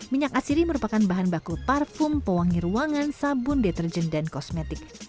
minyak asiri merupakan bahan baku parfum pewangi ruangan sabun deterjen dan kosmetik